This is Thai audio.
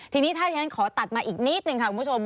ทีนี้ถ้าที่ฉันขอตัดมาอีกนิดนึงค่ะคุณผู้ชม